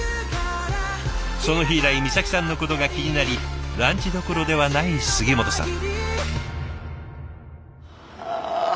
その日以来美咲さんのことが気になりランチどころではない杉本さん。